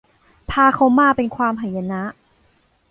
พาเขามาเป็นความหายนะ